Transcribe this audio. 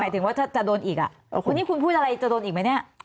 หมายถึงว่าจะโดนอีกอ่ะวันนี้คุณพูดอะไรจะโดนอีกไหมเนี่ย